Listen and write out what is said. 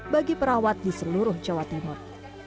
bagi perawat di seluruh jawa timur